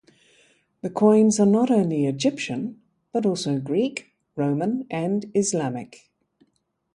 The coins are not only Egyptian, but also Greek, Roman, and Islamic.